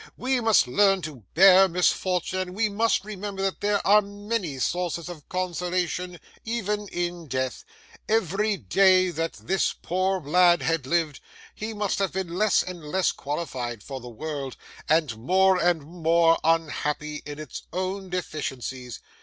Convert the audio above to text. We must learn to bear misfortune, and we must remember that there are many sources of consolation even in death. Every day that this poor lad had lived, he must have been less and less qualified for the world, and more and more unhappy in is own deficiencies.